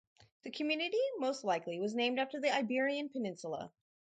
The community most likely was named after the Iberian Peninsula.